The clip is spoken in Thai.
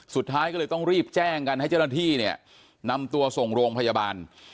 สุดท้ายก็เลยต้องรีบแจ้งกันให้เจ้าหน้าที่เนี่ยนำตัวส่งโรงพยาบาล